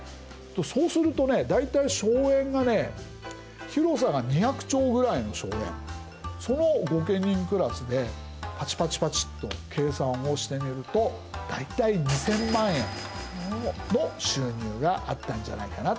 そうするとね大体荘園がね広さが二百町ぐらいの荘園その御家人クラスでパチパチパチと計算をしてみると大体２千万円の収入があったんじゃないかな。